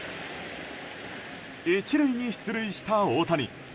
１塁に出塁した大谷。